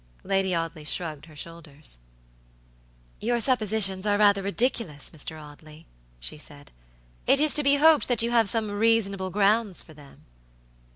Lady Audley shrugged her shoulders. "Your suppositions are rather ridiculous, Mr. Audley," she said; "it is to be hoped that you have some reasonable grounds for them."